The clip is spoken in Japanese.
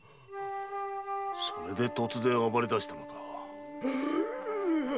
それで突然暴れだしたのか。